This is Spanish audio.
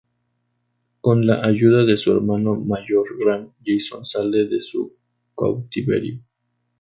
Con la ayuda de su hermano mayor Grant, Jason sale de su cautiverio.